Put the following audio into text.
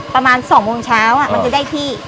ประมาณ๒โมงเช้ามันจะได้ที่